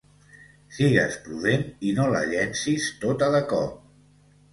Sigues prudent i no la llencis tota de cop.